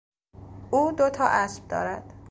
او دو تا اسب دارد.